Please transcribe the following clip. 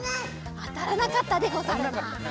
あたらなかったでござるな。